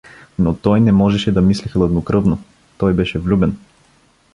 Но той не можеше да мисли хладнокръвно: той беше влюбен!